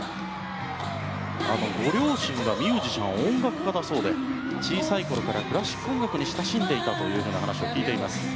ご両親がミュージシャン、音楽家だそうで小さいころからクラシック音楽に親しんでいたという話を聞いています。